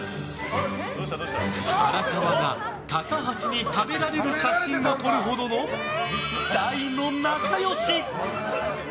荒川が高橋に食べられる写真を撮るほどの大の仲良し。